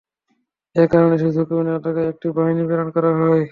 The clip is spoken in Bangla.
এ কারণে সে ঝুঁকিপূর্ণ এলাকায় একটি বাহিনী প্রেরণ করা হয়।